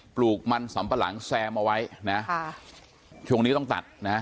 ปลูกมันสำปะหลังแซมเอาไว้นะค่ะช่วงนี้ต้องตัดนะฮะ